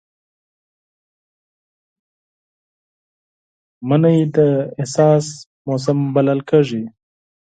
مني د احساس موسم بلل کېږي